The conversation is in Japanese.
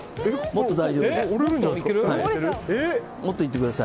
もっと大丈夫です。